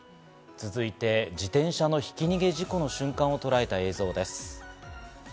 続いて自転車のひき逃げ事故の瞬間をとらえた映像です。